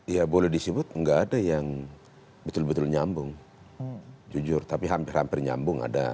ya boleh disebut nggak ada yang betul betul nyambung jujur tapi hampir hampir nyambung ada